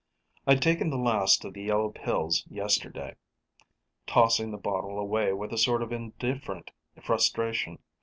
I'd taken the last of the yellow pills yesterday, tossing the bottle away with a sort of indifferent frustration.